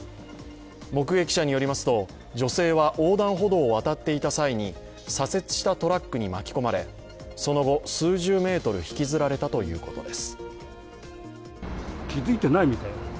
目撃者によりますと女性は横断歩道を渡っていた際に左折したトラックに巻き込まれその後数十メートル引きずられたということです。